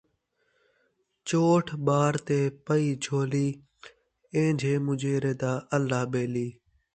چوٹھ ٻار تے پائی جھولی ، ایجھے مُجیرے دا اللہ ٻیلی